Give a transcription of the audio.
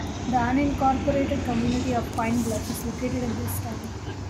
The unincorporated community of Pine Bluff is located in the town.